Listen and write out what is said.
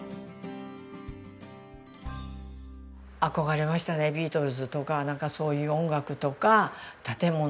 憧れましたねビートルズとかなんかそういう音楽とか建物とか。